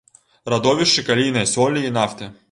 Радовішчы калійнай солі і нафты.